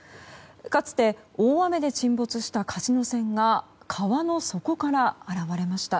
かつて大雨で沈没したカジノ船が川の底から現れました。